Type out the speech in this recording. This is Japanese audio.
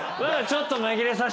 ちょっと。